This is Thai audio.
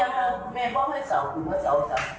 มันรู้จังนะแม่บอกให้เศร้าคุณว่าเศร้าเศร้า